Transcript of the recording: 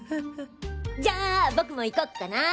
じゃあ僕も行こっかな。